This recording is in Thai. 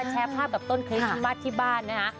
แชร์ภาพกับต้นคริสต์ที่บ้านนะคะ